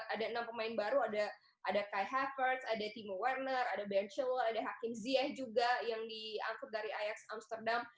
ada enam pemain baru ada kai havertz ada timo werner ada ben chilwell ada hakim ziyech juga yang diangkut dari ajax amsterdam